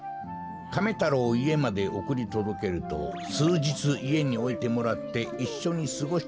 カメ太郎をいえまでおくりとどけるとすうじついえにおいてもらっていっしょにすごしたんじゃ。